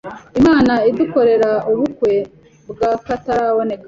Imana idukorera ubukwe bwakataraboneka.